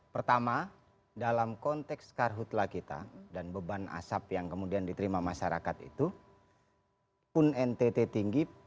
pertama dalam konteks karhutlah kita dan beban asap yang kemudian diterima masyarakat itu pun ntt tinggi